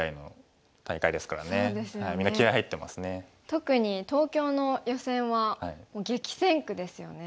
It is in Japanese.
特に東京の予選は激戦区ですよね。